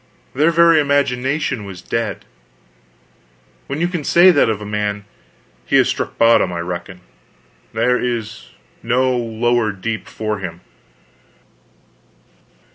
Their very imagination was dead. When you can say that of a man, he has struck bottom, I reckon; there is no lower deep for him.